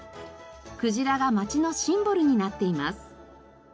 くじらが町のシンボルになっています。